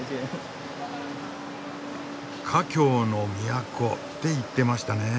「華僑の都」って言ってましたねえ。